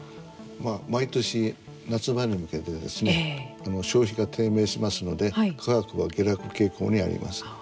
毎年、夏場に向けて消費が低迷しますので価格は下落傾向にあります。